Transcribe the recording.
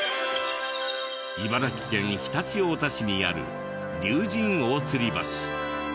茨城県常陸太田市にある竜神大吊橋。